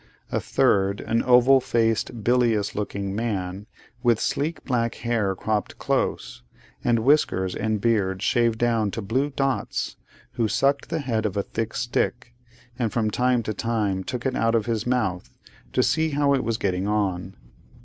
A third, an oval faced, bilious looking man, with sleek black hair cropped close, and whiskers and beard shaved down to blue dots, who sucked the head of a thick stick, and from time to time took it out of his mouth, to see how it was getting on.